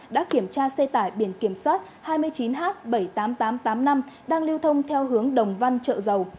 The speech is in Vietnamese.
đã kiểm tra xe tải biển kiểm soát hai mươi chín h bảy mươi tám nghìn tám trăm tám mươi năm đang lưu thông theo hướng đồng văn trợ dầu